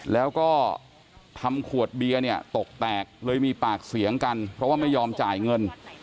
แล้วก็ทำขวดเบียร์เนี่ยตกแตกเลยมีปากเสียงกันเพราะว่าไม่ยอมจ่ายเงิน